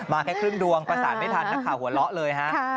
แค่ครึ่งดวงประสานไม่ทันนักข่าวหัวเราะเลยฮะ